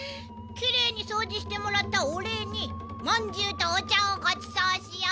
きれいにそうじしてもらったお礼にまんじゅうとお茶をごちそうしよう。